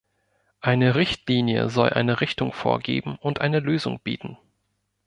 Eine Richtlinie soll eine Richtung vorgeben und eine Lösung bieten.